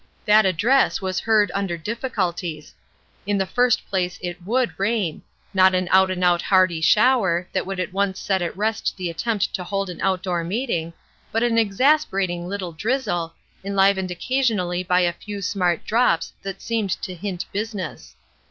That address was heard under difficulties. In the first place it would rain; not an out and out hearty shower, that would at once set at rest the attempt to hold an out door meeting, but an exasperating little drizzle, enlivened occasionally by a few smart drops that seemed to hint business.